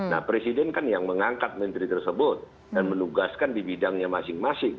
nah presiden kan yang mengangkat menteri tersebut dan menugaskan di bidangnya masing masing